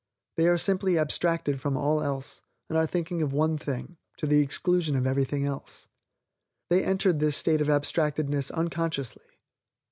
They are simply abstracted from all else, and are thinking of one thing to the exclusion of everything else. They entered this state of abstractedness unconsciously.